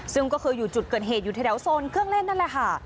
ซึ่งก็คืออยู่จุดเกิดเหตุอยู่แถวโซนเครื่องเล่นนั่นแหละค่ะ